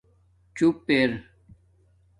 چُوپ اِر